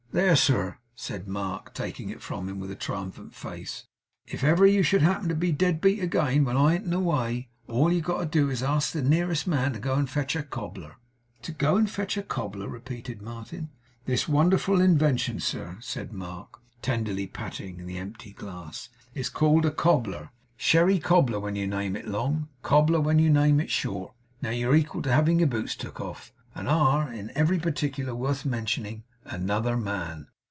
'There, sir!' said Mark, taking it from him with a triumphant face; 'if ever you should happen to be dead beat again, when I ain't in the way, all you've got to do is to ask the nearest man to go and fetch a cobbler.' 'To go and fetch a cobbler?' repeated Martin. 'This wonderful invention, sir,' said Mark, tenderly patting the empty glass, 'is called a cobbler. Sherry cobbler when you name it long; cobbler, when you name it short. Now you're equal to having your boots took off, and are, in every particular worth mentioning, another man.